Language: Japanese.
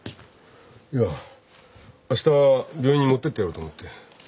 いやあした病院に持ってってやろうと思って。